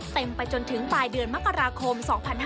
ไปจนถึงปลายเดือนมกราคม๒๕๕๙